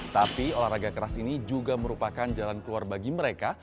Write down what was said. tapi olahraga keras ini juga merupakan jalan keluar bagi mereka